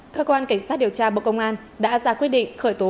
cơ quan cảnh sát điều tra bộ công an đã ra quyết định khởi tố